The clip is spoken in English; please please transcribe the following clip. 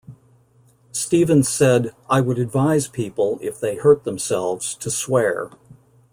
Stephens said "I would advise people, if they hurt themselves, to swear".